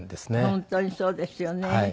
本当にそうですよね。